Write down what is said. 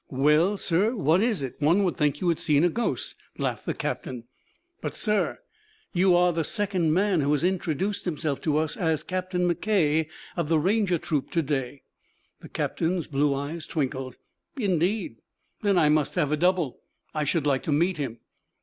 "Well, sir, what is it? One would think you had seen a ghost," laughed the captain. "But, sir, you are the second man who has introduced himself to us as Captain McKay of the Ranger troop, to day." The captain's blue eyes twinkled. "Indeed! Then I must have a double. I should like to meet him."